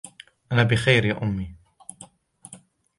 أنا بخير يا أمّي.